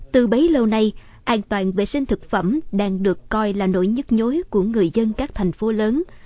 từ bấy lâu nay an toàn vệ sinh thực phẩm đang được coi là nỗi nhức nhối của người dân các thành phố lớn